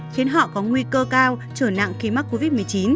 khiến họ có nguy cơ cao trở nặng khi mắc covid một mươi chín